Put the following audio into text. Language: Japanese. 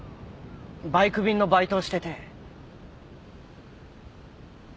バイク便のバイトをしてて。